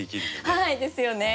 はいですよね。